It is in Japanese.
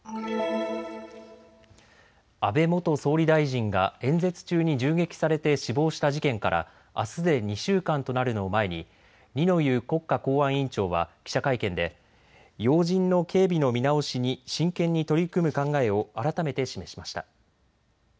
安倍元総理大臣が演説中に銃撃されて死亡した事件からあすで２週間となるのを前に二之湯国家公安委員長は記者会見で要人の警備の見直しに真剣に取り組む考えを改めて示しました。